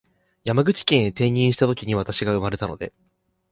山口県へ転任したときに私が生まれたので